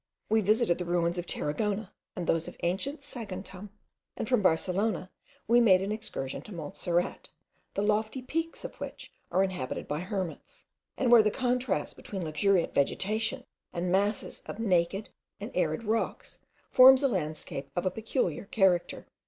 We visited the ruins of Tarragona and those of ancient Saguntum; and from Barcelona we made an excursion to Montserrat, the lofty peaks of which are inhabited by hermits, and where the contrast between luxuriant vegetation and masses of naked and arid rocks, forms a landscape of a peculiar character.